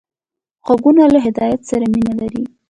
غوږونه له هدایت سره مینه لري